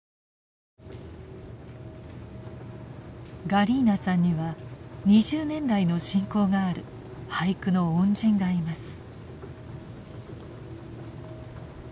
ガリーナさんには２０年来の親交がある俳句の恩人がいます。